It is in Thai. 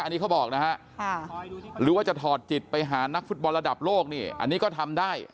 อันนี้เขาบอกนะฮะหรือว่าจะถอดจิตไปหานักฟุตบอลระดับโลกนี่อันนี้ก็ทำได้